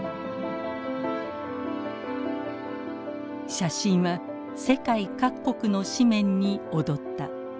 写真は世界各国の紙面に躍った。